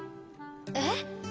えっ？